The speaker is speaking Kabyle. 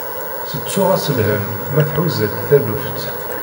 Settuɣ-as lhem, ma tḥuza-tt taluft.